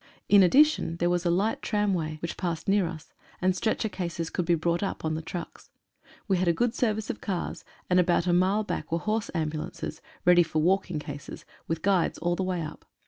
In addition there was a light tramway, which passed near us, and stretcher cases could be brought up on the trucks. We had a good service of cars, and about a mile back were horse ambu lances, ready for walking cases, with guides all the way up.